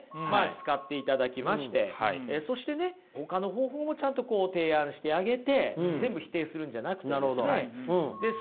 使っていただきましてそしてねほかの方法もちゃんとこう提案してあげて全部否定するんじゃなくてですね。